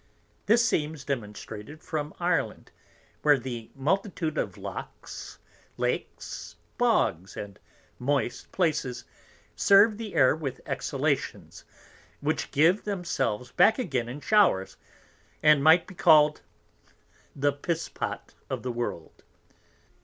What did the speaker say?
This seems demonstrated from Ireland, where the multitude of Loughs, Lakes, Bogs, and moist Places, serve the Air with Exhalations, which give themselves back again in Showers, and make it be call'd, The Piss pot of the World.